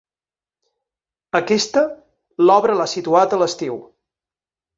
Aquesta l’obra l’ha situat a l’estiu.